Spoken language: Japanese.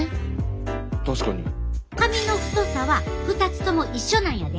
髪の太さは２つとも一緒なんやで。